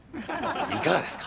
いかがですか？